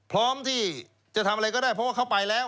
พร้อมที่จะทำอะไรก็ได้เพราะว่าเขาไปแล้ว